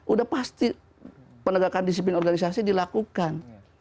udah pasti penegakan disiplin organisasi dilakukan